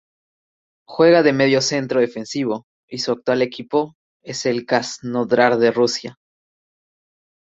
Juega de medio centro defensivo y su actual equipo es el Krasnodar de Rusia.